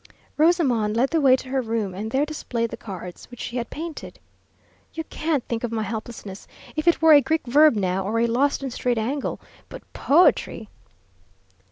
Rosamond led the way to her room, and there displayed the cards which she had painted. "You can't think of my helplessness! If it were a Greek verb now, or a lost and strayed angle but poetry!"